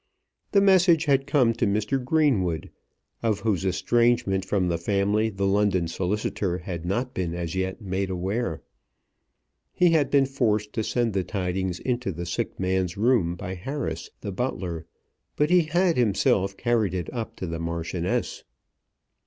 The message had come to Mr. Greenwood, of whose estrangement from the family the London solicitor had not been as yet made aware. He had been forced to send the tidings into the sick man's room by Harris, the butler, but he had himself carried it up to the Marchioness.